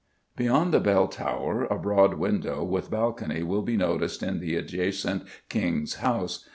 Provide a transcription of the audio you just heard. Beyond the Bell Tower a broad window, with balcony, will be noticed in the adjacent King's House.